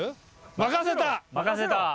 任せた。